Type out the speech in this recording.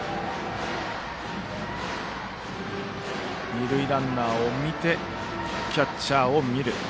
二塁ランナーを見てキャッチャーを見る。